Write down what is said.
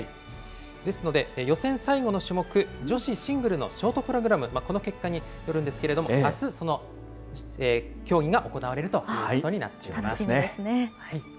ですので、予選最後の種目、女子シングルのショートプログラム、この結果によるんですけれども、あすその競技が行われるということになっています。